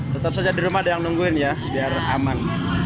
tetap saja di rumah ada yang nungguin ya biar aman